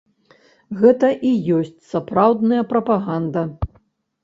Гэта і ёсць сапраўдная прапаганда.